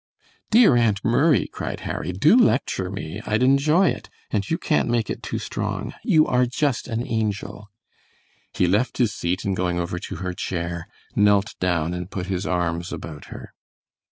"Dear Aunt Murray," cried Harry, "do lecture me. I'd enjoy it, and you can't make it too strong. You are just an angel." He left his seat, and going over to her chair, knelt down and put his arms about her.